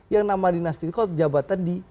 yang nama dinasti itu jabatan di